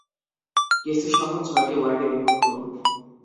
কেসি শহর ছয়টি ওয়ার্ডে বিভক্ত।